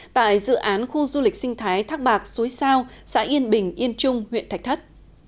tại dự án khu du lịch sinh thái thác bạc suối sao xã yên bình yên trung huyện thạch thất